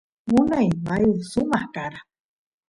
unay mayu samaq kara